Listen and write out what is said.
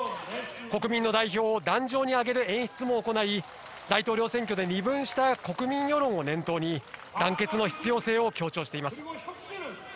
国民の代表を壇上に上げる演出も行い、大統領選挙で二分した国民世論を念頭に、団結の必要性を強調しています。